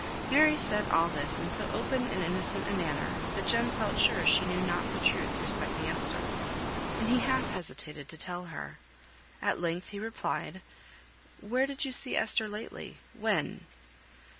Mary said all this in so open and innocent a manner, that Jem felt sure she knew not the truth respecting Esther, and he half hesitated to tell her. At length he replied, "Where did you see Esther lately? When?